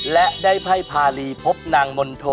และได้ไพ่พารีพบนางมนโท